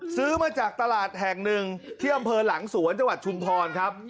ซื้อมาจากตลาดแห่งหนึ่งที่อำเภอหลังสวนจังหวัดชุมพรครับ